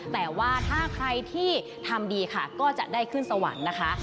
แต่ว่าถ้าใครที่ทำดีค่ะก็จะได้ขึ้นสวรรค์นะคะ